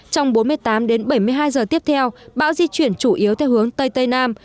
trong bảy mươi hai giờ tiếp theo bão di chuyển chủ yếu theo hướng tây tây nam